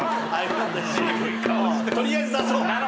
取りあえず出そう。